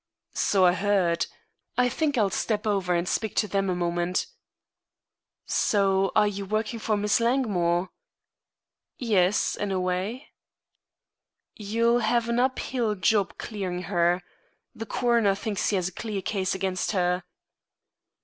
"So I heard. I think I'll step over and speak to them a moment." "So you are working for Miss Langmore?" "Yes, in a way." "You'll have an uphill job clearing her. The coroner thinks he has a clear case against her."